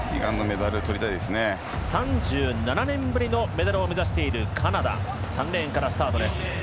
３７年ぶりのメダルを目指しているカナダは３レーンからスタートです。